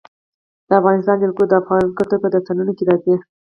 د افغانستان جلکو د افغان کلتور په داستانونو کې راځي.